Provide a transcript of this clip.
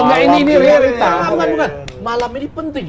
malam ini penting